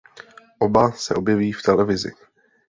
Oba se objeví v televizi.